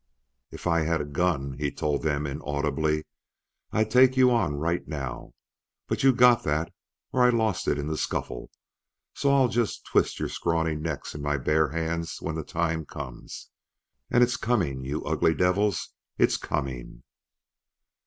"If I had a gun," he told them inaudibly, "I'd take you on right now. But you got that, or I lost it in the scuffle, so I'll just twist your scrawny necks in my bare hands when the time comes. And it's coming, you ugly devils! It's coming!"